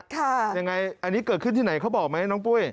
ยังไงอันนี้เกิดขึ้นที่ไหนเขาบอกไหมน้องปุ้ย